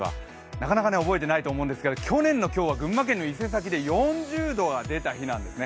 なかなか覚えてないと思いますが去年の今日は群馬県の伊勢崎で４０度が出た日なんですね。